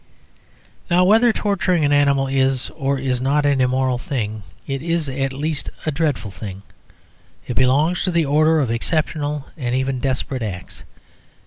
Now, whether torturing an animal is or is not an immoral thing, it is, at least, a dreadful thing. It belongs to the order of exceptional and even desperate acts.